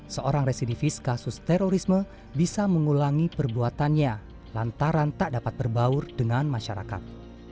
seorang residivis kasus terorisme bisa mengulangi perbuatannya lantaran tak dapat berbaur dengan masyarakat